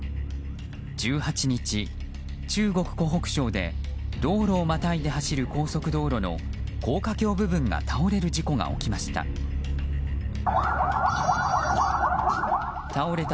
１８日、中国・湖北省で道路をまたいで走る高速道路の高架橋部分が倒れる事故が起きました。